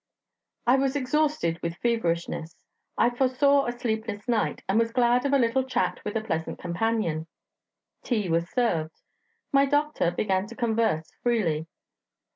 I was exhausted with feverishness; I foresaw a sleepless night, and was glad of a little chat with a pleasant companion. Tea was served. My doctor began to converse freely.